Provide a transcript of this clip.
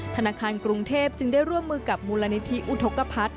ธนาคารกรุงเทพจึงได้ร่วมมือกับมูลนิธิอุทธกภัทร